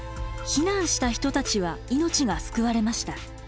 避難した人たちは命が救われました。